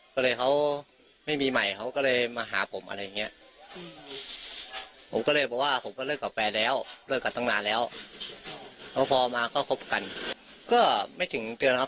ใช่ครับเขาเลิกกับแฟนแล้วนะแต่แฟนเขาไม่เลิกครับ